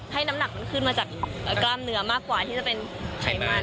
ให้น้ำหนักมันขึ้นมาจากกล้ามเนื้อมากกว่าที่จะเป็นไขมัน